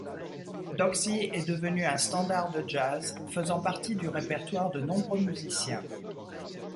Doxy est devenu un standard de jazz, faisant partie du répertoire de nombreux musiciens.